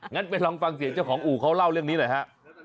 งั้นไปลองฟังเสียงเจ้าของอู่เขาเล่าเรื่องนี้หน่อยฮะ